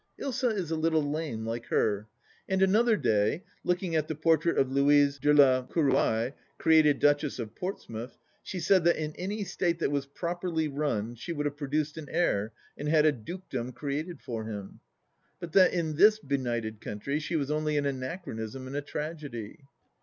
Ilsa is a little lame like her. And another day, looking at the portrait of Louise de la Querouaille, created Duchess of Portsmouth, she said that in any state that was properly run she would have produced an heir and had a dukedom created for him. But that in this benighted country she was only an anachronism and a tragedy.